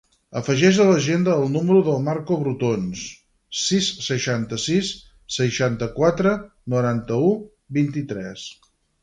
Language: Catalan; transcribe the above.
Afegeix a l'agenda el número del Marco Brotons: sis, seixanta-sis, seixanta-quatre, noranta-u, vint-i-tres.